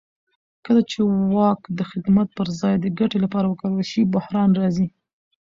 کله چې واک د خدمت پر ځای د ګټې لپاره وکارول شي بحران راځي